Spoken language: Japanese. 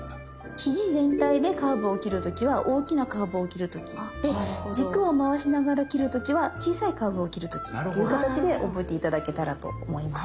肘全体でカーブを切る時は大きなカーブを切る時で軸を回しながら切る時は小さいカーブを切る時っていう形で覚えて頂けたらと思います。